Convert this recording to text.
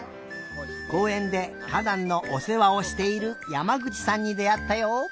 こうえんでかだんのおせわをしている山口さんにであったよ。